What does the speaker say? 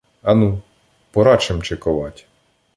Ану, пора чимчиковать.